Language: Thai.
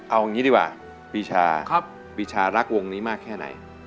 เอาอย่างนี้ดีกว่าปีชาปีชารักวงนี้มากแค่ไหน